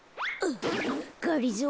がりぞー